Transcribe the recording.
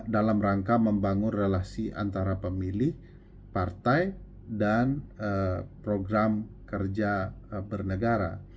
dalam rangka membangun relasi antara pemilih partai dan program kerja bernegara